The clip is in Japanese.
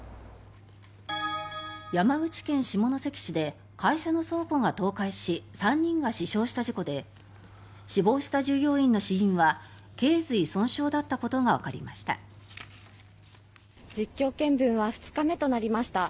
山口県下関市で会社の倉庫が倒壊し３人が死傷した事故で死亡した従業員の死因は頸髄損傷だったことがわかりました。